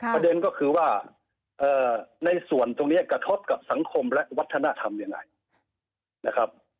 ประเด็นก็คือว่าในส่วนตรงนี้กระทบกับสังคมและวัฒนธรรมยังไงนะครับ